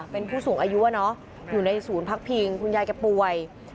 เป็นผู้สูงอายุอยู่ในศูนย์พักพิงคุณยายแกป่วย